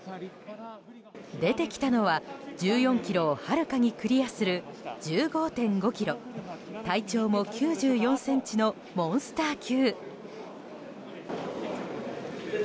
出てきたのは１４ｋｇをはるかにクリアする１５．５ｋｇ体長も９４ｃｍのモンスター級。